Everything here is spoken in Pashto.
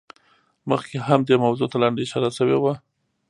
مخکې هم دې موضوع ته لنډه اشاره شوې وه.